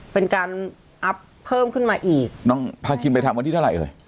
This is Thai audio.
เป็นการอัพเพิ่มขึ้นมาอีกน้องพาคิมไปทำวันที่เท่าไหรเอ่ย